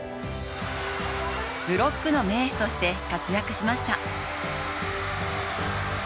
ブロックの名手として活躍しました。